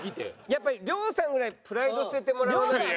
やっぱり亮さんぐらいプライド捨ててもらわなきゃ。